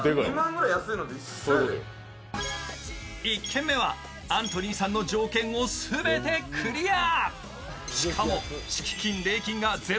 １軒目はアントニーさんの条件全てクリア。